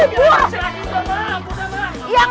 kamu juga erosikan